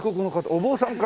お坊さんかな？